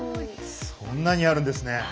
そんなにあるんですね。